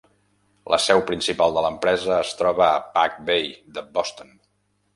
La seu principal de l'empresa es troba a Back Bay de Boston.